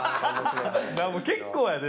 結構やで？